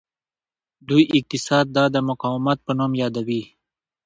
دوی اقتصاد د مقاومت په نوم یادوي.